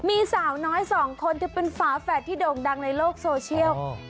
มีสาวน้อยสองคนเธอเป็นฝาแฝดที่โด่งดังในโลกโซเชียล